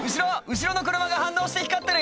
後ろの車が反応して光ってるよ